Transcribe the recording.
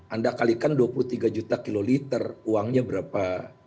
anda kalikan dua puluh tiga juta kiloliter uangnya berapa